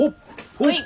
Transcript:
はい！